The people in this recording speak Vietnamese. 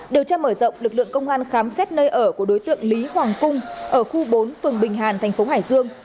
điều tra mở rộng lực lượng công an khám xét nơi ở của đối tượng lý hoàng cung ở khu bốn phường bình hàn thành phố hải dương